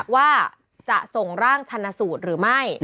ว่าจะส่งร่างชันสูตรหรือไม่